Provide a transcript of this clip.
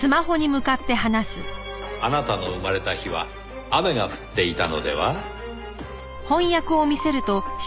あなたの生まれた日は雨が降っていたのでは？